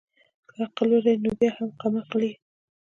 که عقل ولري نو بيا هم کم عقل يي